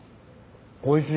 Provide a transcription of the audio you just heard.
おいしい。